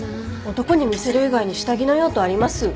男に見せる以外に下着の用途あります？